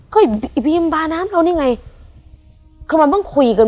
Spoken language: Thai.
ก็ไอ้พิมบาน้ำเรานี่ไงคือมันเพิ่งคุยกัน